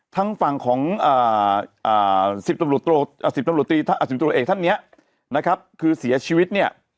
ต่างของ๑๐ตำรวจเอกท่านเนี่ยนะครับคือเสียชีวิตเนี่ย